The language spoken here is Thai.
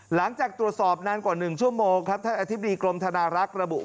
หลังจากตรวจสอบนานกว่า๑ชั่วโมงครับท่านอธิบดีกรมธนารักษ์ระบุ